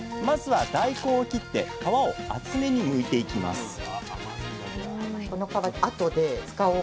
まずは大根を切って皮を厚めにむいていきます